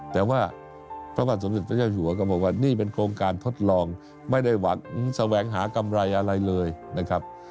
แต่ว่าพระบาทสมเด็จพระเจ้าอยู่หัวก็บอกว่านี่เป็นโครงการทดลองไม่ได้หวังแสวงหากำไรอะไรเลยนะครับ